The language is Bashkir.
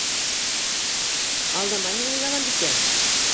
Алдамайһыңмы, Яланбикә?..